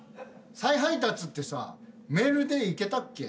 再配達ってさメールでいけたっけ？